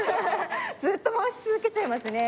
ずっと回し続けちゃいますね。